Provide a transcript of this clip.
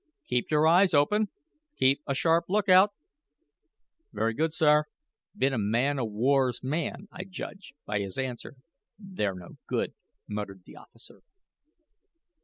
"Keep your eyes open keep a sharp lookout." "Very good, sir." "Been a man o' war's man, I judge, by his answer. They're no good," muttered the officer.